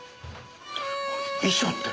遺書って！？